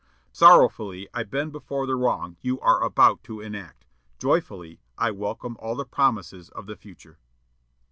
"Sorrowfully I bend before the wrong you are about to enact. Joyfully I welcome all the promises of the future."